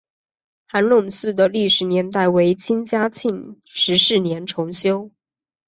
韩泷祠的历史年代为清嘉庆十四年重修。